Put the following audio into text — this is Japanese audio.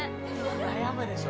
悩むでしょ？